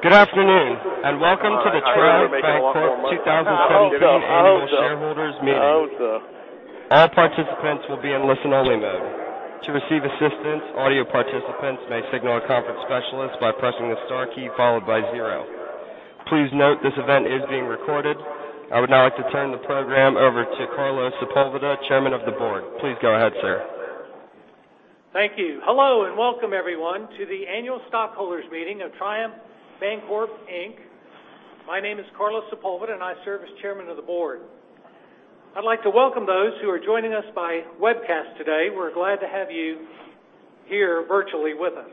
Good afternoon, and welcome to the Triumph Bancorp 2017 annual shareholders meeting. All participants will be in listen-only mode. To receive assistance, audio participants may signal a conference specialist by pressing the star key followed by zero. Please note this event is being recorded. I would now like to turn the program over to Carlos Sepulveda, Chairman of the board. Please go ahead, sir. Thank you. Hello, and welcome everyone to the annual stockholders meeting of Triumph Bancorp, Inc. My name is Carlos Sepulveda, and I serve as chairman of the board. I'd like to welcome those who are joining us by webcast today. We're glad to have you here virtually with us.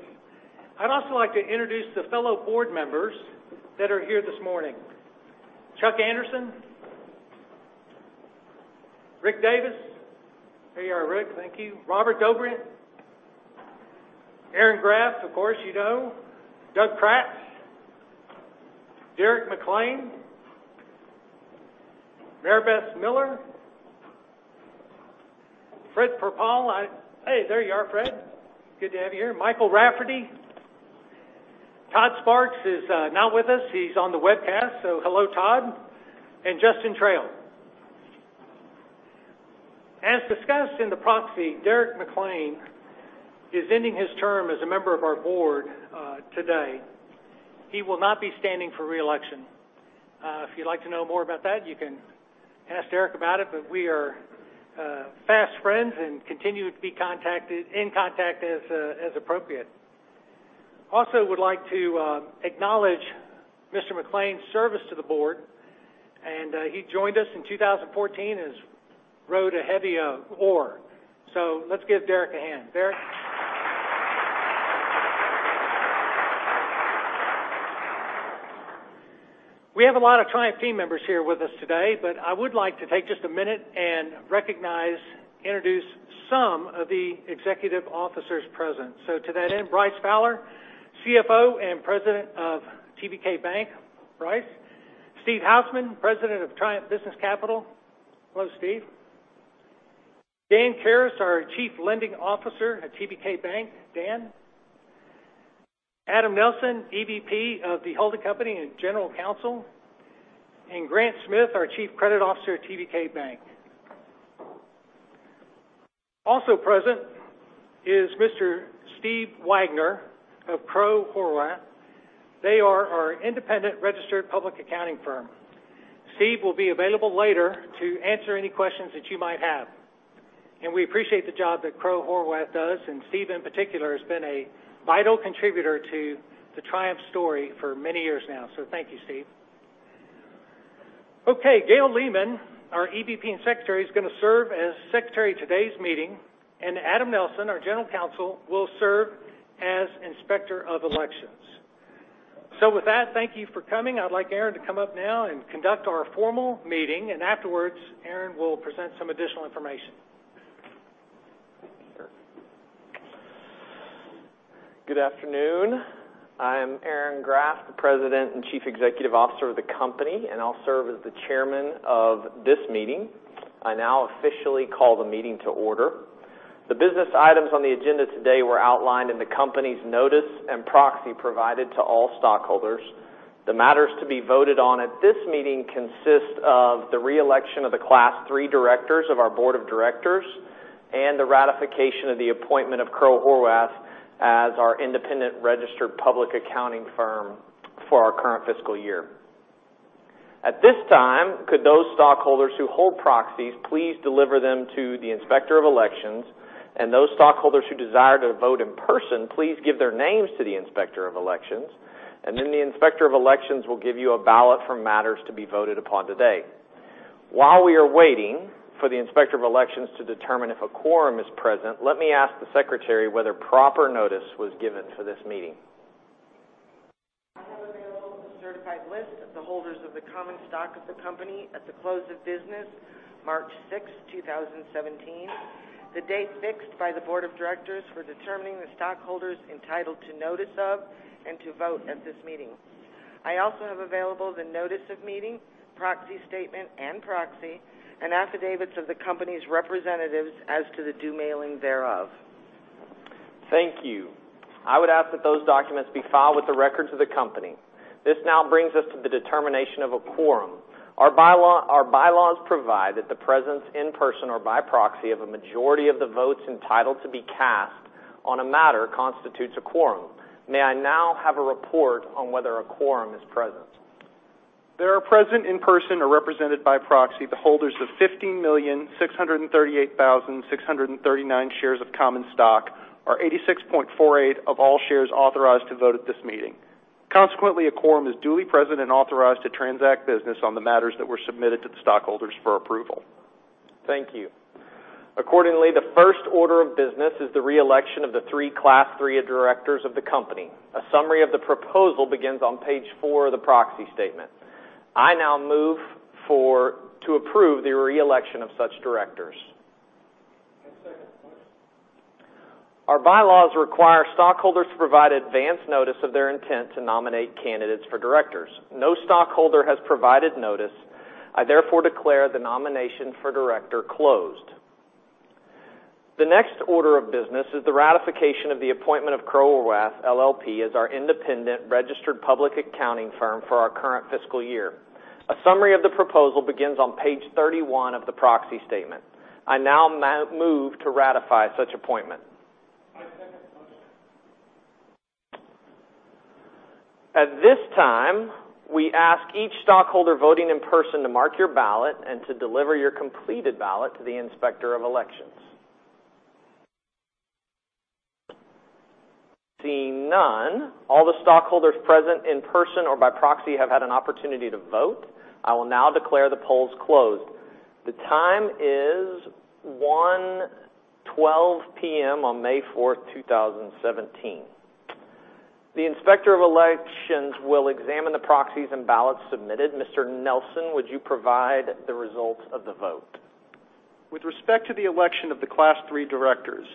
I'd also like to introduce the fellow board members that are here this morning. Chuck Anderson. Rick Davis. There you are, Rick. Thank you. Robert Dobrient. Aaron Graft, of course, you know. Justin Trail. Derek McClain. Maribess Miller. Fred Perpall. Hey, there you are, Fred. Good to have you here. Michael Rafferty. Todd Sparks is not with us. He's on the webcast, so hello, Todd, and Justin Trail. As discussed in the proxy, Derek McClain is ending his term as a member of our board today. He will not be standing for re-election. If you'd like to know more about that, you can ask Derek about it, but we are fast friends and continue to be in contact as appropriate. Also would like to acknowledge Mr. McClain's service to the board, and he joined us in 2014 and has rowed a heavy oar. Let's give Derek a hand. Derek. We have a lot of Triumph team members here with us today, but I would like to take just a minute and recognize, introduce some of the executive officers present. To that end, Bryce Fowler, CFO and president of TBK Bank. Bryce. Steve Hausman, president of Triumph Business Capital. Hello, Stephen. Dan Karas, our chief lending officer at TBK Bank. Dan. Adam Nelson, EVP of the holding company and general counsel, and Grant Smith, our chief credit officer at TBK Bank. Also present is Mr. Stephen Wagner of Crowe Horwath. They are our independent registered public accounting firm. Stephen will be available later to answer any questions that you might have. We appreciate the job that Crowe Horwath does, and Stephen in particular has been a vital contributor to the Triumph story for many years now. Thank you, Stephen. Okay, Gail Lehmann, our EVP and secretary, is going to serve as secretary of today's meeting, and Adam Nelson, our general counsel, will serve as Inspector of Elections. With that, thank you for coming. I'd like Aaron to come up now and conduct our formal meeting, and afterwards, Aaron will present some additional information. Sure. Good afternoon. I'm Aaron Graft, the President and Chief Executive Officer of the company. I'll serve as the Chairman of this meeting. I now officially call the meeting to order. The business items on the agenda today were outlined in the company's notice and proxy provided to all stockholders. The matters to be voted on at this meeting consist of the re-election of the Class 3 directors of our board of directors and the ratification of the appointment of Crowe Horwath as our independent registered public accounting firm for our current fiscal year. At this time, could those stockholders who hold proxies please deliver them to the Inspector of Elections. Those stockholders who desire to vote in person please give their names to the Inspector of Elections. Then the Inspector of Elections will give you a ballot for matters to be voted upon today. While we are waiting for the Inspector of Elections to determine if a quorum is present, let me ask the secretary whether proper notice was given for this meeting. I have available the certified list of the holders of the common stock of the company at the close of business March 6th, 2017, the date fixed by the board of directors for determining the stockholders entitled to notice of and to vote at this meeting. I also have available the notice of meeting, proxy statement and proxy. Affidavits of the company's representatives as to the due mailing thereof. Thank you. I would ask that those documents be filed with the records of the company. This now brings us to the determination of a quorum. Our bylaws provide that the presence in person or by proxy of a majority of the votes entitled to be cast on a matter constitutes a quorum. May I now have a report on whether a quorum is present? There are present in person or represented by proxy the holders of 15,638,639 shares of common stock, or 86.48% of all shares authorized to vote at this meeting. A quorum is duly present and authorized to transact business on the matters that were submitted to the stockholders for approval. Thank you. The first order of business is the re-election of the three Class III directors of the company. A summary of the proposal begins on page four of the proxy statement. I now move to approve the re-election of such directors. I second the motion. Our bylaws require stockholders to provide advance notice of their intent to nominate candidates for directors. No stockholder has provided notice. I therefore declare the nomination for director closed. The next order of business is the ratification of the appointment of Crowe Horwath LLP as our independent registered public accounting firm for our current fiscal year. A summary of the proposal begins on page 31 of the proxy statement. I now move to ratify such appointment. I second the motion. At this time, we ask each stockholder voting in person to mark your ballot and to deliver your completed ballot to the Inspector of Elections. Seeing none, all the stockholders present in person or by proxy have had an opportunity to vote. I will now declare the polls closed. The time is 1:12 P.M. on May 4, 2017. The Inspector of Elections will examine the proxies and ballots submitted. Mr. Nelson, would you provide the results of the vote? With respect to the election of the Class III directors,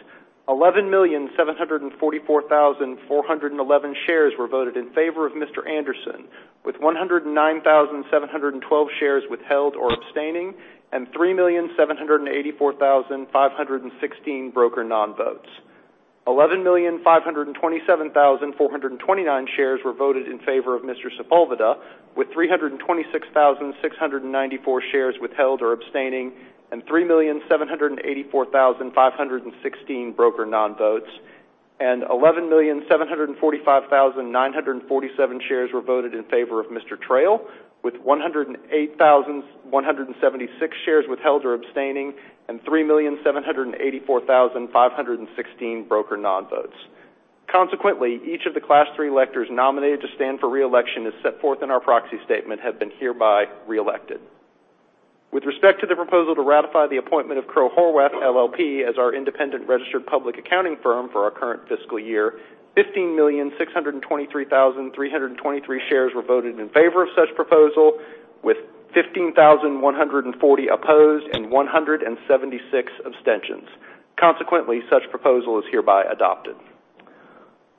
11,744,411 shares were voted in favor of Mr. Anderson, with 109,712 shares withheld or abstaining, and 3,784,516 broker non-votes. 11,527,429 shares were voted in favor of Mr. Sepulveda, with 326,694 shares withheld or abstaining, and 3,784,516 broker non-votes. 11,745,947 shares were voted in favor of Mr. Trail, with 108,176 shares withheld or abstaining, and 3,784,516 broker non-votes. Consequently, each of the Class III electors nominated to stand for reelection, as set forth in our proxy statement, have been hereby reelected. With respect to the proposal to ratify the appointment of Crowe Horwath LLP as our independent registered public accounting firm for our current fiscal year, 15,623,323 shares were voted in favor of such proposal, with 15,140 opposed, and 176 abstentions. Consequently, such proposal is hereby adopted.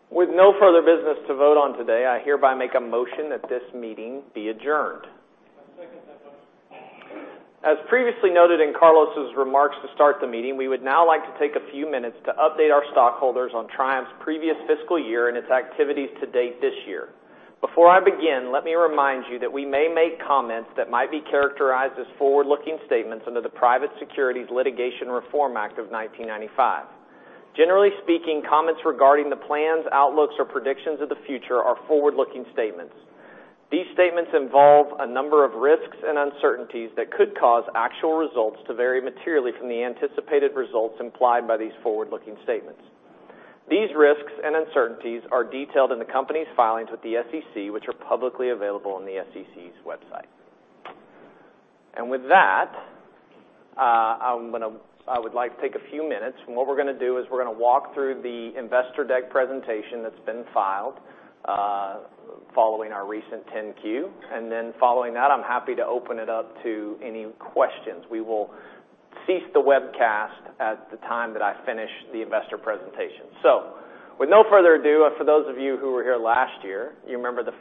With no further business to vote on today, I hereby make a motion that this meeting be adjourned. I second that motion. As previously noted in Carlos' remarks to start the meeting, we would now like to take a few minutes to update our stockholders on Triumph's previous fiscal year and its activities to date this year. Before I begin, let me remind you that we may make comments that might be characterized as forward-looking statements under the Private Securities Litigation Reform Act of 1995. Generally speaking, comments regarding the plans, outlooks, or predictions of the future are forward-looking statements. These statements involve a number of risks and uncertainties that could cause actual results to vary materially from the anticipated results implied by these forward-looking statements. These risks and uncertainties are detailed in the company's filings with the SEC, which are publicly available on the SEC's website. With that, I would like to take a few minutes. What we're going to do is we're going to walk through the investor deck presentation that's been filed following our recent 10-Q. Then following that, I'm happy to open it up to any questions. We will cease the webcast at the time that I finish the investor presentation. With no further ado, for those of you who were here last year, you remember the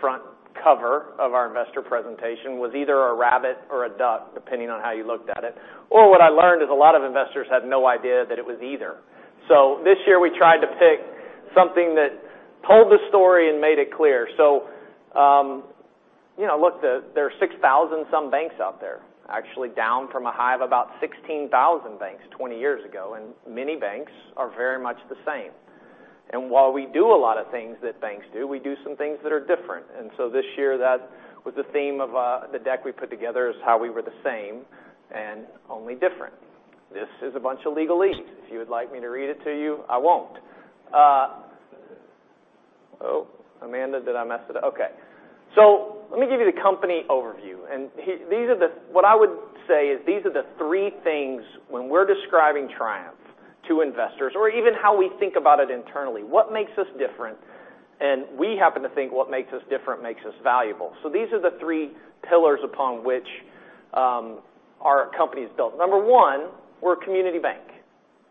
front cover of our investor presentation was either a rabbit or a duck, depending on how you looked at it. What I learned is a lot of investors had no idea that it was either. This year, we tried to pick something that told the story and made it clear. Look, there are 6,000-some banks out there, actually down from a high of about 16,000 banks 20 years ago. Many banks are very much the same. While we do a lot of things that banks do, we do some things that are different. This year, that was the theme of the deck we put together, is how we were the same and only different. This is a bunch of legalese. If you would like me to read it to you, I won't. Oh, Amanda, did I mess it up? Okay. Let me give you the company overview. What I would say is these are the three things when we're describing Triumph to investors or even how we think about it internally, what makes us different, and we happen to think what makes us different makes us valuable. These are the three pillars upon which our company is built. Number one, we're a community bank.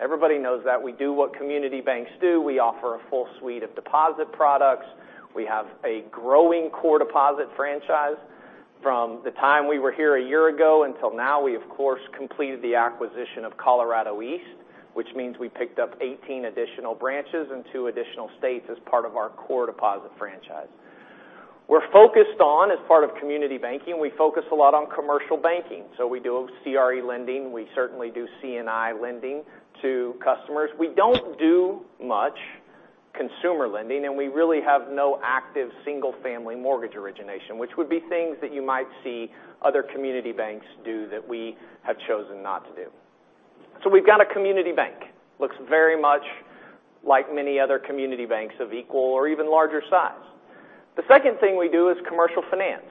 Everybody knows that. We do what community banks do. We offer a full suite of deposit products. We have a growing core deposit franchise. From the time we were here a year ago until now, we of course completed the acquisition of ColoEast, which means we picked up 18 additional branches in two additional states as part of our core deposit franchise. As part of community banking, we focus a lot on commercial banking. We do CRE lending. We certainly do C&I lending to customers. We don't do much consumer lending, and we really have no active single-family mortgage origination, which would be things that you might see other community banks do that we have chosen not to do. We've got a community bank. Looks very much like many other community banks of equal or even larger size. The second thing we do is commercial finance.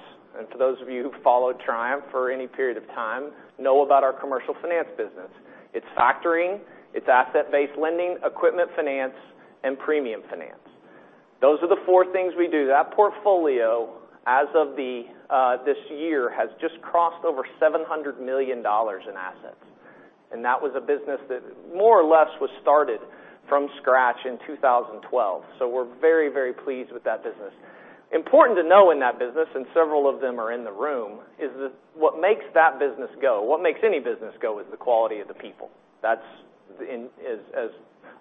For those of you who've followed Triumph for any period of time know about our commercial finance business. It's factoring, it's asset-based lending, equipment finance, and premium finance. Those are the four things we do. That portfolio, as of this year, has just crossed over $700 million in assets. That was a business that more or less was started from scratch in 2012. We're very pleased with that business. Important to know in that business, and several of them are in the room, is that what makes that business go, what makes any business go, is the quality of the people. As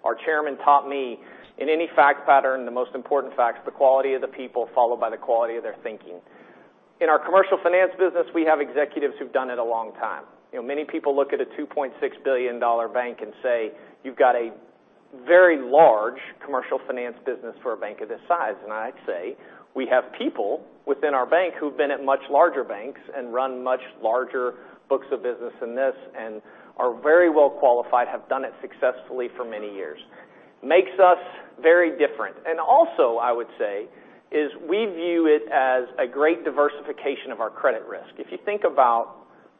our chairman taught me, in any fact pattern, the most important fact is the quality of the people, followed by the quality of their thinking. In our commercial finance business, we have executives who've done it a long time. Many people look at a $2.6 billion bank and say, "You've got a very large commercial finance business for a bank of this size." I'd say we have people within our bank who've been at much larger banks and run much larger books of business than this and are very well qualified, have done it successfully for many years. Makes us very different. I would say, is we view it as a great diversification of our credit risk. If you think about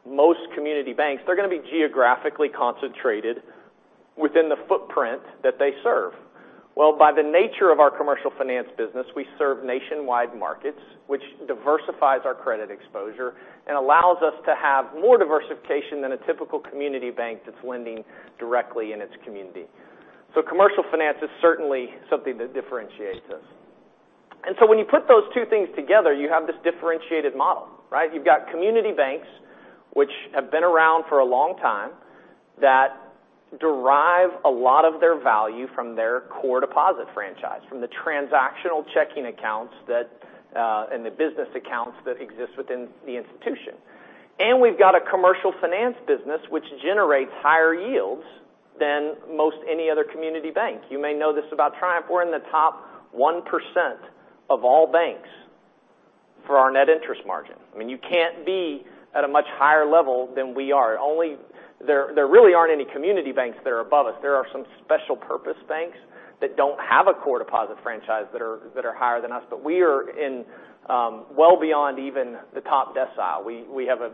most community banks, they're going to be geographically concentrated within the footprint that they serve. By the nature of our commercial finance business, we serve nationwide markets, which diversifies our credit exposure and allows us to have more diversification than a typical community bank that's lending directly in its community. Commercial finance is certainly something that differentiates us. When you put those two things together, you have this differentiated model, right? You've got community banks, which have been around for a long time, that derive a lot of their value from their core deposit franchise, from the transactional checking accounts and the business accounts that exist within the institution. We've got a commercial finance business which generates higher yields than most any other community bank. You may know this about Triumph. We're in the top 1% of all banks for our net interest margin. You can't be at a much higher level than we are. There really aren't any community banks that are above us. There are some special purpose banks that don't have a core deposit franchise that are higher than us. We are in well beyond even the top decile. We have a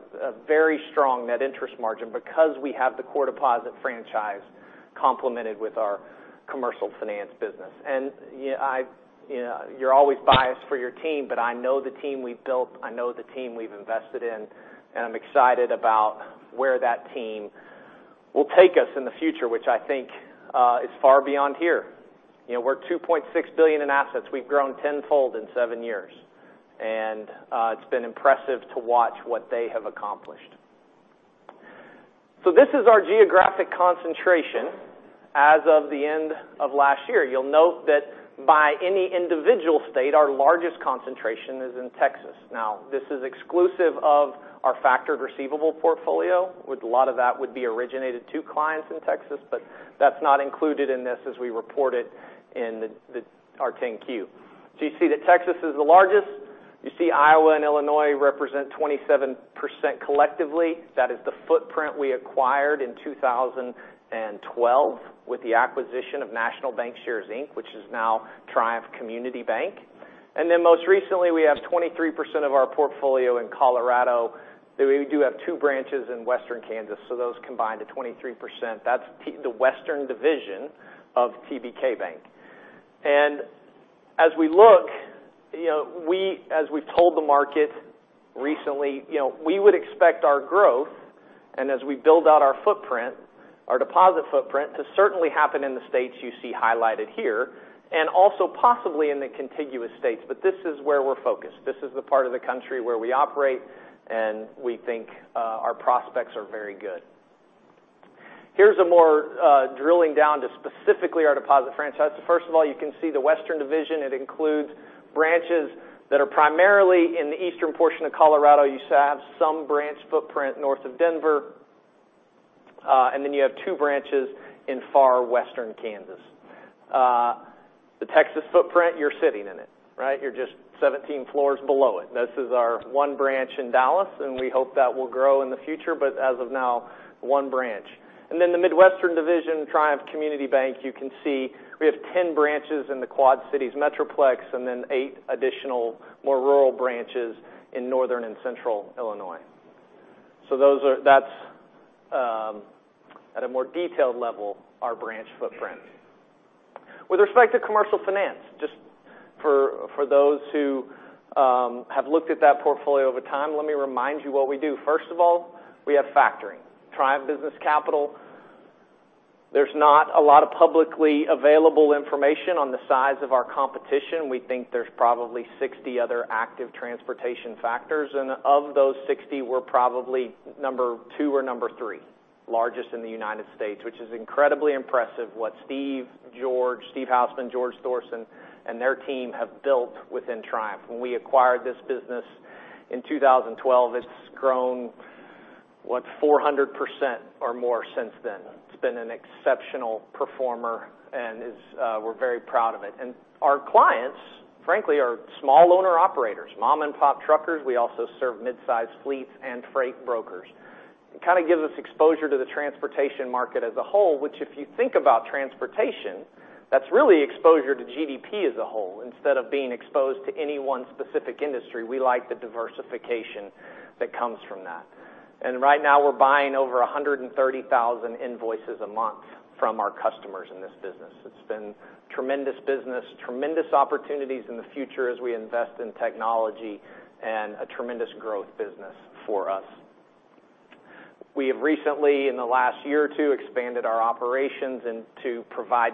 very strong net interest margin because we have the core deposit franchise complemented with our commercial finance business. You're always biased for your team, but I know the team we've built, I know the team we've invested in, and I'm excited about where that team will take us in the future, which I think is far beyond here. We're $2.6 billion in assets. We've grown tenfold in seven years. It's been impressive to watch what they have accomplished. This is our geographic concentration as of the end of last year. You'll note that by any individual state, our largest concentration is in Texas. This is exclusive of our factored receivable portfolio. A lot of that would be originated to clients in Texas, but that's not included in this as we report it in our 10-Q. You see that Texas is the largest. You see Iowa and Illinois represent 27% collectively. That is the footprint we acquired in 2012 with the acquisition of National Bancshares, Inc. which is now Triumph Community Bank. Most recently, we have 23% of our portfolio in Colorado. We do have two branches in Western Kansas. Those combine to 23%. That's the western division of TBK Bank. As we look, as we've told the market recently, we would expect our growth and as we build out our footprint, our deposit footprint, to certainly happen in the states you see highlighted here, and also possibly in the contiguous states. This is where we're focused. This is the part of the country where we operate, and we think our prospects are very good. Here's a more drilling down to specifically our deposit franchise. First of all, you can see the western division. It includes branches that are primarily in the eastern portion of Colorado. You have some branch footprint north of Denver. You have two branches in far western Kansas. The Texas footprint, you're sitting in it. You're just 17 floors below it. This is our one branch in Dallas. We hope that will grow in the future. As of now, one branch. The Midwestern division, Triumph Community Bank, you can see we have 10 branches in the Quad Cities metroplex. Eight additional more rural branches in northern and central Illinois. That's at a more detailed level, our branch footprint. With respect to commercial finance, just for those who have looked at that portfolio over time, let me remind you what we do. First of all, we have factoring. Triumph Business Capital. There's not a lot of publicly available information on the size of our competition. We think there's probably 60 other active transportation factors. Of those 60, we're probably number one or number three largest in the United States, which is incredibly impressive what Steve Hausman, George Thorson, and their team have built within Triumph. When we acquired this business in 2012, it's grown, what, 400% or more since then. It's been an exceptional performer. We're very proud of it. Our clients, frankly, are small owner-operators, mom and pop truckers. We also serve mid-size fleets and freight brokers. It kind of gives us exposure to the transportation market as a whole, which if you think about transportation, that's really exposure to GDP as a whole instead of being exposed to any one specific industry. We like the diversification that comes from that. Right now, we're buying over 130,000 invoices a month from our customers in this business. It's been tremendous business, tremendous opportunities in the future as we invest in technology, and a tremendous growth business for us. We have recently, in the last year or two, expanded our operations to provide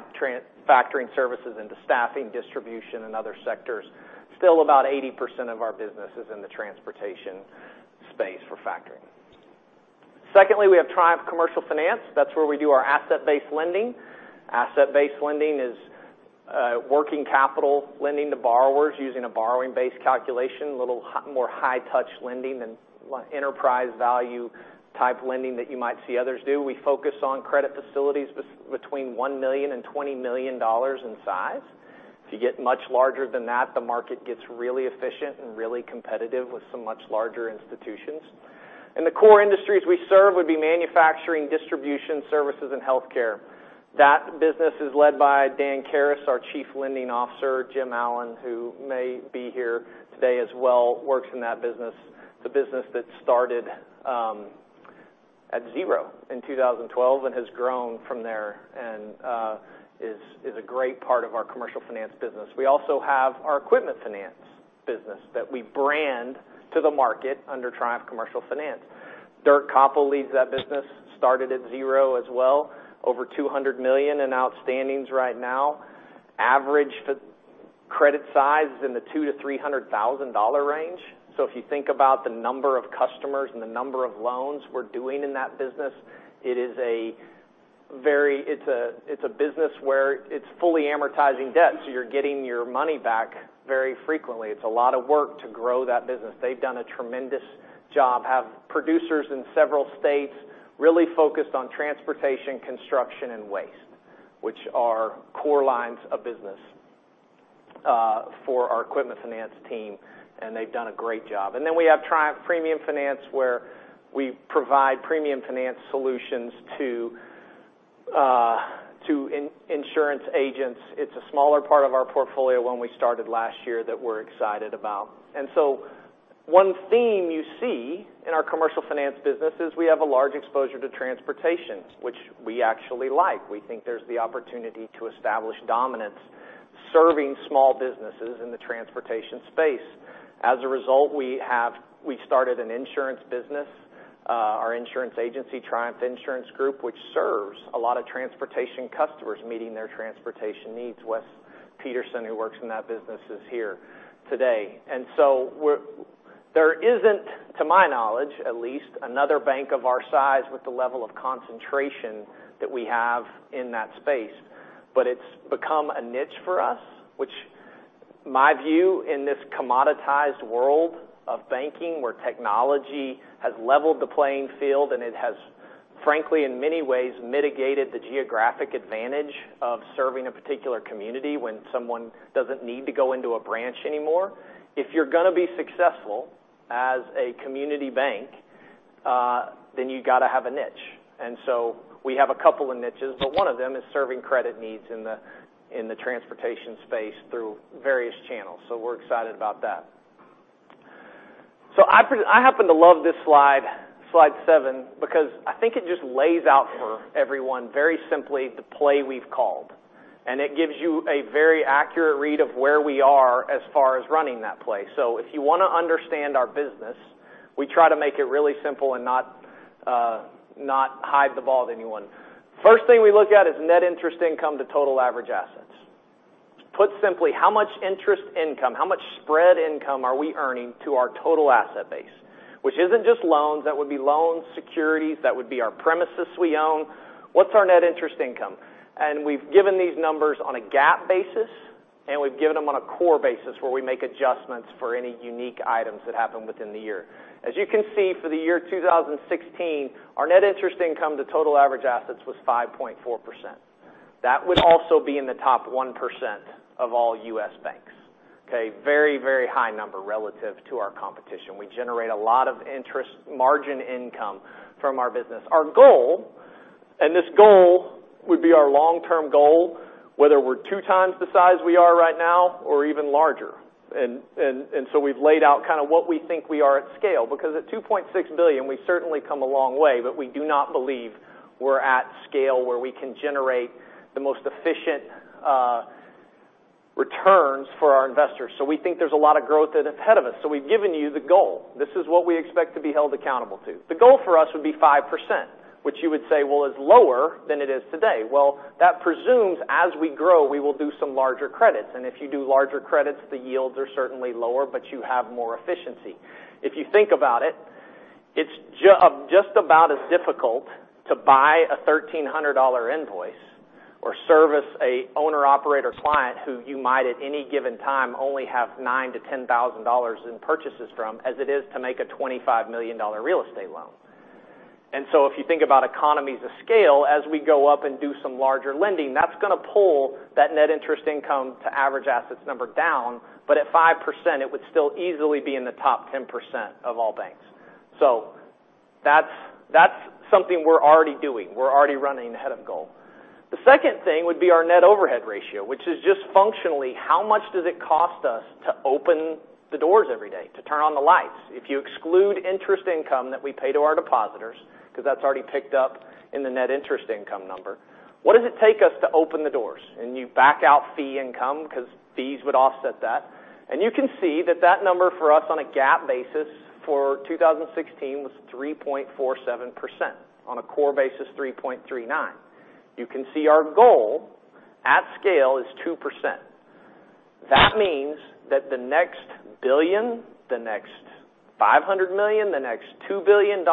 factoring services into staffing, distribution, and other sectors. Still, about 80% of our business is in the transportation space for factoring. Secondly, we have Triumph Commercial Finance. That's where we do our asset-based lending. Asset-based lending is working capital lending to borrowers using a borrowing base calculation, a little more high touch lending than enterprise value type lending that you might see others do. We focus on credit facilities between $1 million and $20 million in size. If you get much larger than that, the market gets really efficient and really competitive with some much larger institutions. The core industries we serve would be manufacturing, distribution services, and healthcare. That business is led by Dan Karas, our Chief Lending Officer. Jim Allen, who may be here today as well, works in that business, the business that started at zero in 2012 and has grown from there, and is a great part of our commercial finance business. We also have our equipment finance business that we brand to the market under Triumph Commercial Finance. Dirk Koppel leads that business. Started at zero as well. Over $200 million in outstandings right now. Average credit size is in the $200,000-$300,000 range. If you think about the number of customers and the number of loans we're doing in that business, it's a business where it's fully amortizing debt, so you're getting your money back very frequently. It's a lot of work to grow that business. They've done a tremendous job. Have producers in several states, really focused on transportation, construction, and waste, which are core lines of business for our equipment finance team, and they've done a great job. Then we have Triumph Premium Finance, where we provide premium finance solutions to insurance agents. It's a smaller part of our portfolio when we started last year that we're excited about. One theme you see in our commercial finance business is we have a large exposure to transportation, which we actually like. We think there's the opportunity to establish dominance serving small businesses in the transportation space. As a result, we started an insurance business, our insurance agency, Triumph Insurance Group, which serves a lot of transportation customers meeting their transportation needs. Wes Peterson, who works in that business, is here today. There isn't, to my knowledge at least, another bank of our size with the level of concentration that we have in that space. It's become a niche for us, which my view in this commoditized world of banking, where technology has leveled the playing field and it has frankly, in many ways, mitigated the geographic advantage of serving a particular community when someone doesn't need to go into a branch anymore. If you're going to be successful as a community bank, then you got to have a niche. We have a couple of niches, but one of them is serving credit needs in the transportation space through various channels. We're excited about that. I happen to love this slide seven, because I think it just lays out for everyone very simply the play we've called, and it gives you a very accurate read of where we are as far as running that play. If you want to understand our business, we try to make it really simple and not hide the ball to anyone. First thing we look at is net interest income to total average assets. Put simply, how much interest income, how much spread income are we earning to our total asset base? Which isn't just loans. That would be loans, securities. That would be our premises we own. What's our net interest income? We've given these numbers on a GAAP basis, and we've given them on a core basis, where we make adjustments for any unique items that happen within the year. As you can see, for the year 2016, our net interest income to total average assets was 5.4%. That would also be in the top 1% of all U.S. banks. Okay? Very high number relative to our competition. We generate a lot of interest margin income from our business. Our goal, and this goal would be our long-term goal, whether we're two times the size we are right now or even larger. We've laid out kind of what we think we are at scale, because at $2.6 billion, we've certainly come a long way, but we do not believe we're at scale where we can generate the most efficient returns for our investors. We think there's a lot of growth ahead of us. We've given you the goal. This is what we expect to be held accountable to. The goal for us would be 5%, which you would say, well, is lower than it is today. Well, that presumes as we grow, we will do some larger credits. If you do larger credits, the yields are certainly lower, but you have more efficiency. If you think about it's just about as difficult to buy a $1,300 invoice or service an owner-operator client who you might at any given time only have $9,000-$10,000 in purchases from, as it is to make a $25 million real estate loan. If you think about economies of scale, as we go up and do some larger lending, that's going to pull that net interest income to average assets number down. At 5%, it would still easily be in the top 10% of all banks. That's something we're already doing. We're already running ahead of goal. The second thing would be our net overhead ratio, which is just functionally how much does it cost us to open the doors every day, to turn on the lights? If you exclude interest income that we pay to our depositors because that's already picked up in the net interest income number, what does it take us to open the doors? You back out fee income because fees would offset that. You can see that that number for us on a GAAP basis for 2016 was 3.47%. On a core basis, 3.39%. You can see our goal at scale is 2%. That means that the next $1 billion, the next $500 million, the next $2 billion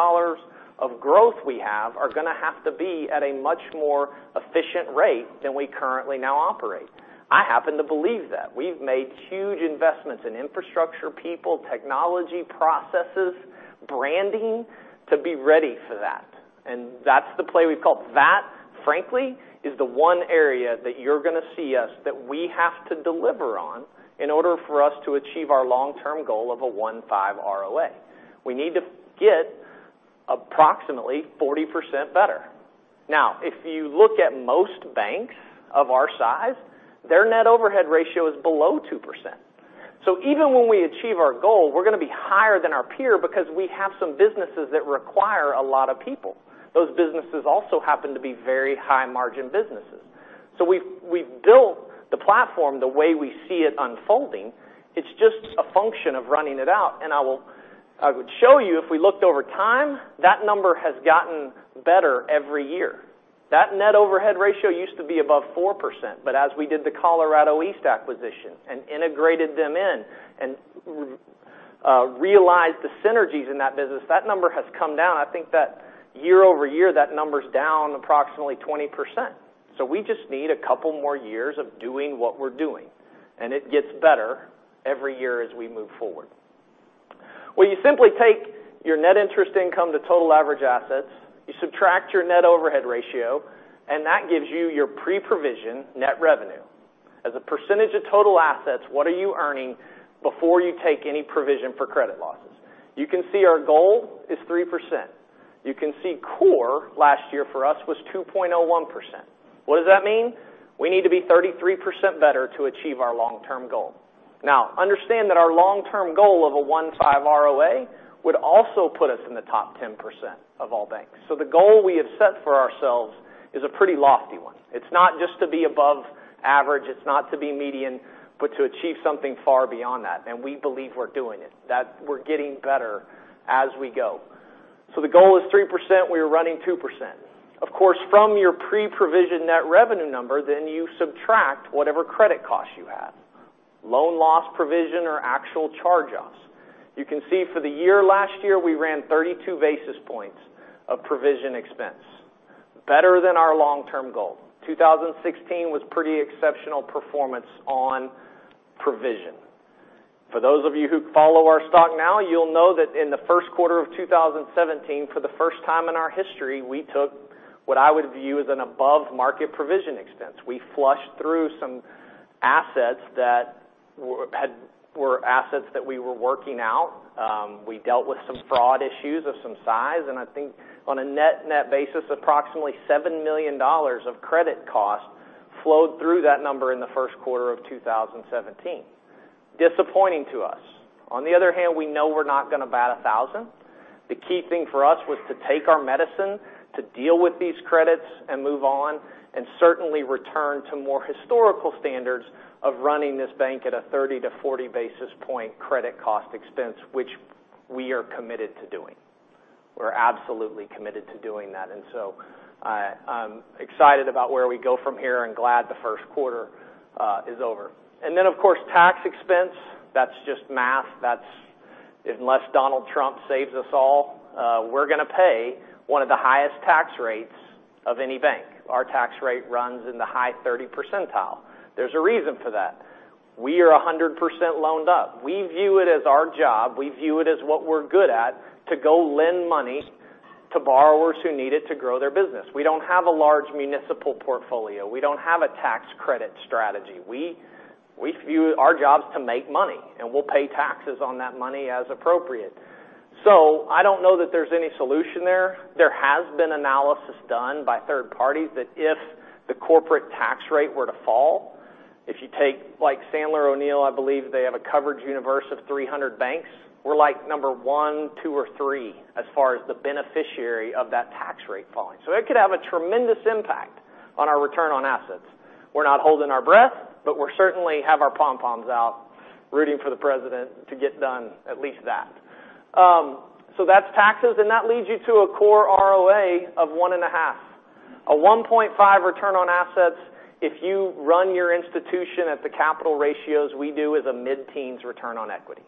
of growth we have, are going to have to be at a much more efficient rate than we currently now operate. I happen to believe that. We've made huge investments in infrastructure, people, technology, processes, branding, to be ready for that. That's the play we've called. That, frankly, is the one area that you're going to see us that we have to deliver on in order for us to achieve our long-term goal of a 1.5% ROA. We need to get approximately 40% better. If you look at most banks of our size, their net overhead ratio is below 2%. Even when we achieve our goal, we're going to be higher than our peer because we have some businesses that require a lot of people. Those businesses also happen to be very high margin businesses. We've built the platform the way we see it unfolding. It's just a function of running it out, and I would show you, if we looked over time, that number has gotten better every year. That net overhead ratio used to be above 4%, but as we did the ColoEast acquisition and integrated them in and realized the synergies in that business, that number has come down. I think that year-over-year, that number's down approximately 20%. We just need a couple more years of doing what we're doing, and it gets better every year as we move forward. When you simply take your net interest income to total average assets, you subtract your net overhead ratio, and that gives you your pre-provision net revenue. As a percentage of total assets, what are you earning before you take any provision for credit losses? You can see our goal is 3%. You can see core last year for us was 2.01%. What does that mean? We need to be 33% better to achieve our long-term goal. Understand that our long-term goal of a 1.5% ROA would also put us in the top 10% of all banks. The goal we have set for ourselves is a pretty lofty one. It's not just to be above average, it's not to be median, but to achieve something far beyond that. We believe we're doing it, that we're getting better as we go. The goal is 3%, we are running 2%. Of course, from your pre-provision net revenue number, then you subtract whatever credit cost you have, loan loss provision or actual charge-offs. You can see for the year last year, we ran 32 basis points of provision expense, better than our long-term goal. 2016 was pretty exceptional performance on provision. For those of you who follow our stock now, you'll know that in the first quarter of 2017, for the first time in our history, we took what I would view as an above market provision expense. We flushed through some assets that were assets that we were working out. We dealt with some fraud issues of some size, and I think on a net basis, approximately $7 million of credit cost flowed through that number in the first quarter of 2017. Disappointing to us. On the other hand, we know we're not going to bat 1,000. The key thing for us was to take our medicine to deal with these credits and move on, certainly return to more historical standards of running this bank at a 30-40 basis point credit cost expense, which we are committed to doing. We're absolutely committed to doing that, I'm excited about where we go from here and glad the first quarter is over. Of course, tax expense, that's just math. That's unless Donald Trump saves us all, we're going to pay one of the highest tax rates of any bank. Our tax rate runs in the high 30 percentile. There's a reason for that. We are 100% loaned up. We view it as our job, we view it as what we're good at, to go lend money to borrowers who need it to grow their business. We don't have a large municipal portfolio. We don't have a tax credit strategy. We view our job is to make money, we'll pay taxes on that money as appropriate. I don't know that there's any solution there. There has been analysis done by third parties that if the corporate tax rate were to fall, if you take like Sandler O'Neill, I believe they have a coverage universe of 300 banks. We're like number one, two or three as far as the beneficiary of that tax rate falling. It could have a tremendous impact on our return on assets. We're not holding our breath, we certainly have our pom-poms out, rooting for the president to get done at least that. That's taxes, that leads you to a core ROA of one and a half. A 1.5 return on assets if you run your institution at the capital ratios we do is a mid-teens return on equity.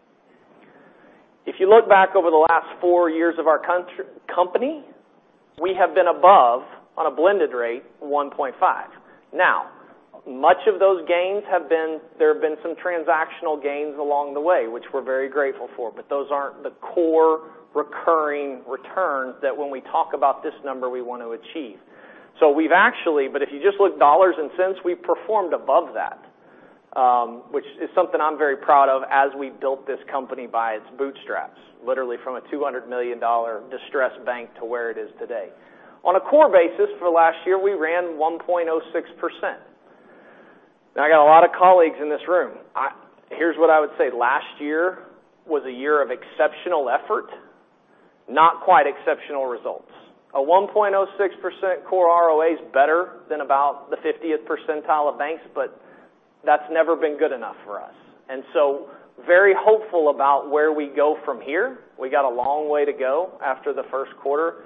If you look back over the last four years of our company, we have been above, on a blended rate, 1.5. Much of those gains have been, there have been some transactional gains along the way, which we're very grateful for, but those aren't the core recurring returns that when we talk about this number we want to achieve. We've actually, but if you just look dollars and cents, we've performed above that, which is something I'm very proud of as we built this company by its bootstraps, literally from a $200 million distressed bank to where it is today. On a core basis for last year, we ran 1.06%. I got a lot of colleagues in this room. Here's what I would say. Last year was a year of exceptional effort. Not quite exceptional results. A 1.06% core ROA is better than about the 50th percentile of banks, that's never been good enough for us. Very hopeful about where we go from here. We got a long way to go after the first quarter.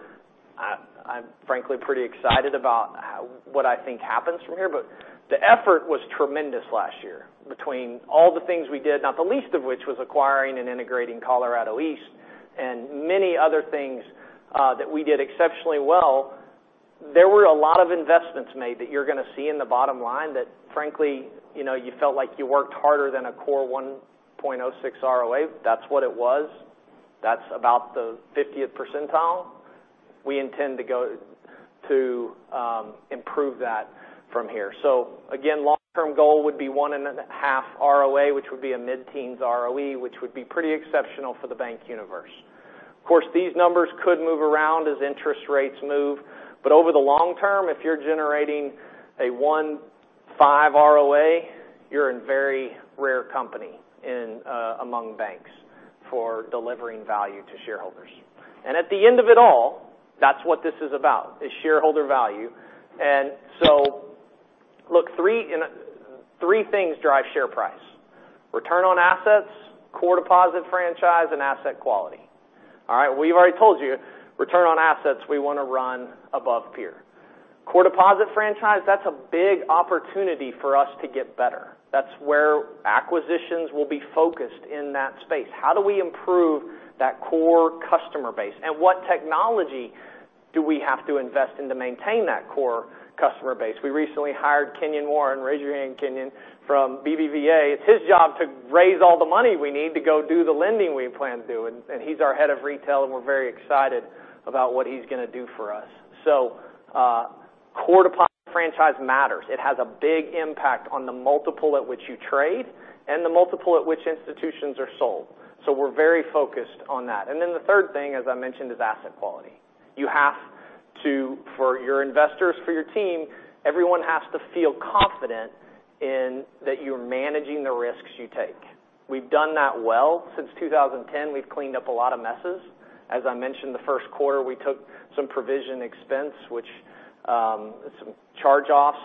I'm frankly pretty excited about what I think happens from here, but the effort was tremendous last year between all the things we did, not the least of which was acquiring and integrating ColoEast and many other things that we did exceptionally well. There were a lot of investments made that you're going to see in the bottom line that frankly, you felt like you worked harder than a core 1.06 ROA. That's what it was. That's about the 50th percentile. We intend to improve that from here. Again, long-term goal would be 1.5 ROA, which would be a mid-teens ROE, which would be pretty exceptional for the bank universe. Of course, these numbers could move around as interest rates move, but over the long term, if you're generating a 1.5 ROA, you're in very rare company among banks for delivering value to shareholders. At the end of it all, that's what this is about, is shareholder value. Look, three things drive share price, return on assets, core deposit franchise, and asset quality. All right? We've already told you, return on assets, we want to run above peer. Core deposit franchise, that's a big opportunity for us to get better. That's where acquisitions will be focused in that space. How do we improve that core customer base? What technology do we have to invest in to maintain that core customer base? We recently hired Kenyon Warren, raise your hand, Kenyon, from BBVA. It's his job to raise all the money we need to go do the lending we plan to do, and he's our head of retail, and we're very excited about what he's going to do for us. Core deposit franchise matters. It has a big impact on the multiple at which you trade and the multiple at which institutions are sold. We're very focused on that. The third thing, as I mentioned, is asset quality. For your investors, for your team, everyone has to feel confident in that you're managing the risks you take. We've done that well since 2010. We've cleaned up a lot of messes. As I mentioned, the first quarter, we took some provision expense, some charge-offs.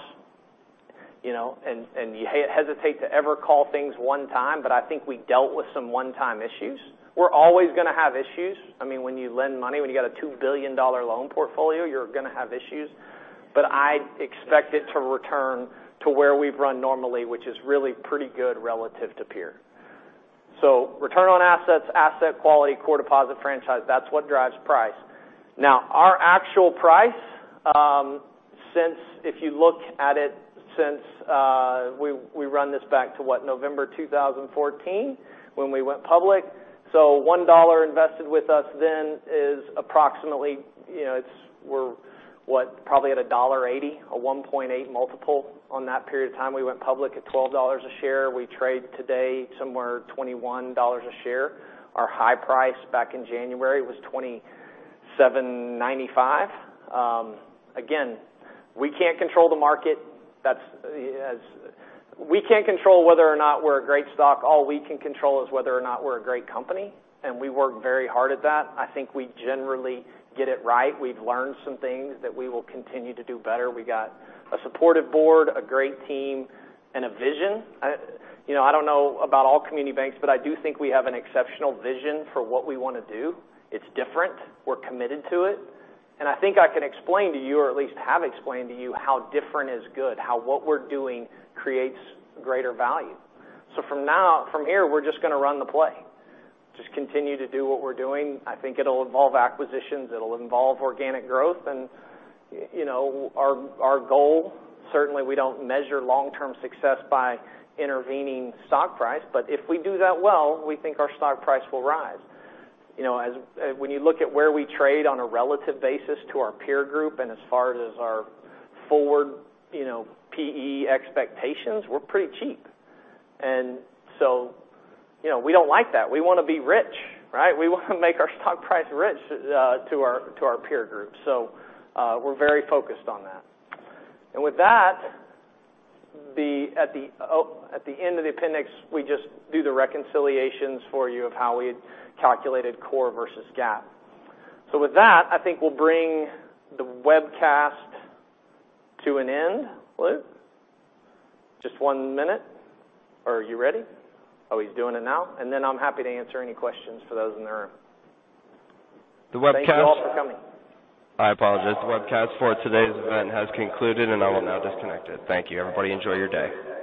You hesitate to ever call things one-time, but I think we dealt with some one-time issues. We're always going to have issues. When you lend money, when you got a $2 billion loan portfolio, you're going to have issues. I expect it to return to where we've run normally, which is really pretty good relative to peer. Return on assets, asset quality, core deposit franchise, that's what drives price. Now, our actual price, if you look at it since, we run this back to what? November 2014, when we went public. $1 invested with us then is approximately, we're what? Probably at a $1.80, a 1.8x multiple on that period of time. We went public at $12 a share. We trade today somewhere $21 a share. Our high price back in January was $27.95. Again, we can't control the market. We can't control whether or not we're a great stock. All we can control is whether or not we're a great company, we work very hard at that. I think we generally get it right. We've learned some things that we will continue to do better. We got a supportive board, a great team, and a vision. I don't know about all community banks, but I do think we have an exceptional vision for what we want to do. It's different. We're committed to it. I think I can explain to you, or at least have explained to you, how different is good, how what we're doing creates greater value. From here, we're just going to run the play, just continue to do what we're doing. I think it'll involve acquisitions. It'll involve organic growth. Our goal, certainly we don't measure long-term success by intervening stock price, if we do that well, we think our stock price will rise. When you look at where we trade on a relative basis to our peer group, as far as our forward PE expectations, we're pretty cheap. We don't like that. We want to be rich, right? We want to make our stock price rich to our peer group. We're very focused on that. With that, at the end of the appendix, we just do the reconciliations for you of how we calculated core versus GAAP. With that, I think we'll bring the webcast to an end. Luke? Just one minute. Are you ready? Oh, he's doing it now. I'm happy to answer any questions for those in the room. The webcast- Thank you all for coming I apologize. The webcast for today's event has concluded, I will now disconnect it. Thank you, everybody. Enjoy your day.